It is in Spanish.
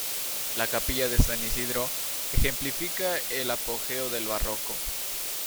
La Capilla de San Isidro ejemplifica el apogeo del barroco.